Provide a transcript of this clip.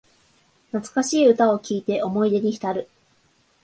懐かしい歌を聴いて思い出にひたる